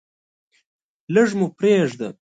لږ مو پریږده.